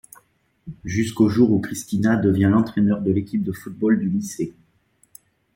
Jusqu'au jour où Christina devient l'entraîneur de l'équipe de Football du lycée.